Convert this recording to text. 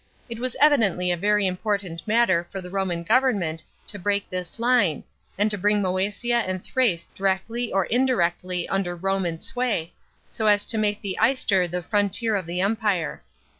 It was evidently a very important, matter for the Roman government to break this line, and to brins Mce^ia and Thrace directly or indirectly under Roman sway, so as to make the Ister the frontier of the Empire.